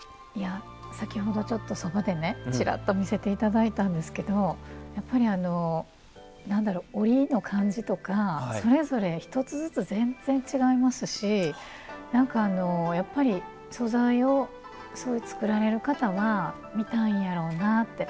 先ほどちょっとそばでねちらっと見せて頂いたんですけどやっぱり何だろう織りの感じとかそれぞれ一つずつ全然違いますし何かあのやっぱり素材を作られる方は見たいんやろうなって。